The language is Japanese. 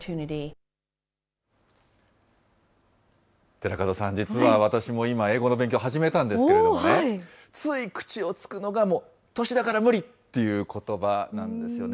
寺門さん、実は私も今、英語の勉強始めたんですけれどもね、つい口をつくのが、もう、年だから無理ということばなんですよね。